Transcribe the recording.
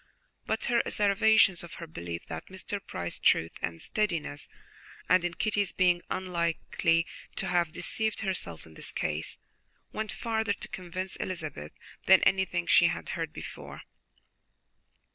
But her asseverations of her belief that Mr. Price's truth and steadiness, and in Kitty's being unlikely to have deceived herself in this case, went farther to convince Elizabeth than anything she had heard before.